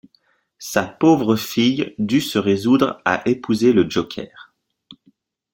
Sa pauvre fille dût se résoudre à épouser le Joker.